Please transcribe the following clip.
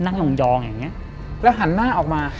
นั่งยองยองอย่างเงี้ยแล้วหันหน้าออกมา